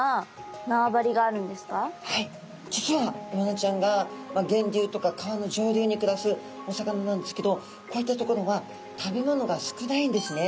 はい実はイワナちゃんが源流とか川の上流に暮らすお魚なんですけどこういった所は食べものが少ないんですね。